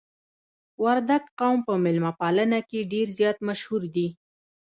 وردګ قوم په میلمه پالنه کې ډیر زیات مشهور دي.